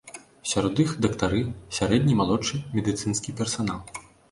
Сярод іх дактары, сярэдні і малодшы медыцынскі персанал.